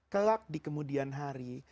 kelak di kemudian hari